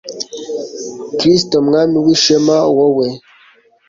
kristu mwami w'ishema, wowe